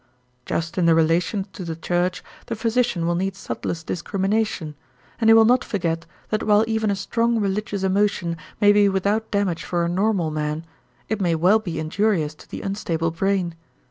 Just in the relation to the church, the physician will need subtlest discrimination, and he will not forget that while even a strong religious emotion may be without damage for a normal man, it may well be injurious to the unstable brain.